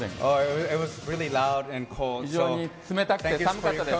非常に冷たくて寒かったです。